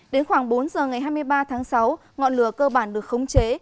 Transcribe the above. đến khoảng bốn giờ ngày hai mươi ba tháng sáu ngọn lửa cơ bản được khống chế